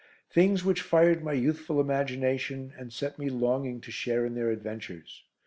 Things which fired my youthful imagination and set me longing to share in their adventures.